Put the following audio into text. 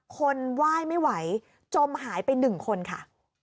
คนไหว้ไม่ไหวจมหายไป๑คนค่ะ